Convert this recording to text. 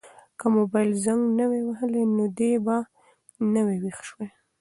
که موبایل زنګ نه وای وهلی نو دی به نه وای ویښ شوی.